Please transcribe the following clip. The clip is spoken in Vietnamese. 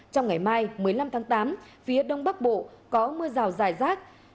trong ngày mai một mươi năm tháng tám phía đông bắc bộ có mưa rào dài rác